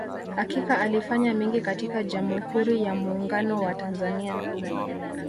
Hakika alifanya mengi katika Jamuhuri ya Muuungano wa Tanzania